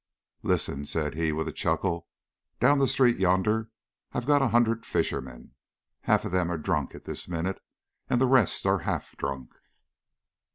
"Listen," said he, with a chuckle. "Down the street yonder I've got a hundred fishermen. Half of them are drunk at this minute, and the rest are half drunk."